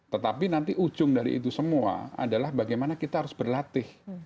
tetapi nanti ujung dari itu semua adalah bagaimana kita harus berlatih